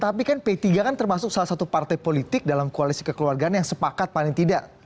tapi kan p tiga kan termasuk salah satu partai politik dalam koalisi kekeluargaan yang sepakat paling tidak